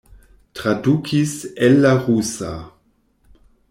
Tradukis el la rusa.